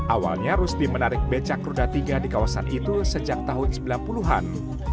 awalnya rusdi menarik becak roda tiga di kawasan itu sejak tahun sembilan puluh an